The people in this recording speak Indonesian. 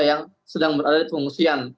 yang sedang berada di pengungsian